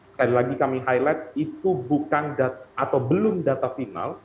sekali lagi kami highlight itu bukan atau belum data final